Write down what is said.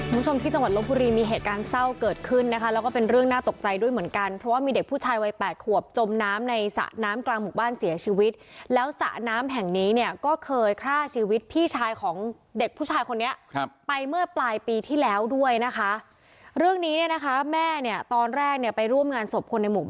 คุณผู้ชมที่จังหวัดลบบุรีมีเหตุการณ์เศร้าเกิดขึ้นนะคะแล้วก็เป็นเรื่องน่าตกใจด้วยเหมือนกันเพราะว่ามีเด็กผู้ชายวัยแปดขวบจมน้ำในสระน้ำกลางหมู่บ้านเสียชีวิตแล้วสระน้ำแห่งนี้เนี่ยก็เคยฆ่าชีวิตพี่ชายของเด็กผู้ชายคนนี้ครับไปเมื่อปลายปีที่แล้วด้วยนะคะเรื่องนี้เนี่ยนะคะแม่เนี่ยตอนแรกเนี่ยไปร่วมงานศพคนในหมู่